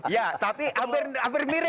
ya tapi hampir mirip